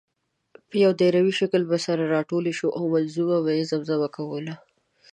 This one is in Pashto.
په یو دایروي شکل به سره راټولې شوې او منظومه به یې زمزمه کوله.